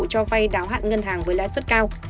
cho vai đáo hạn ngân hàng với lái suất cao